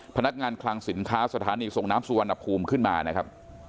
พนักงานคลังสินค้าสถานีส่งน้ำสุวรรณภูมิขึ้นมานะครับ